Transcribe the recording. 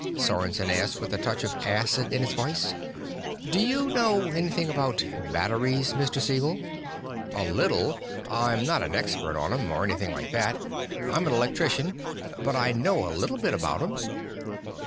Sorensen asked with a touch of acid in his voice. "Do you know anything about batteries, Mr. Siegel?" "A little. I'm not an expert on 'em, or anything like that. I'm an electrician. But I know a little bit about 'em."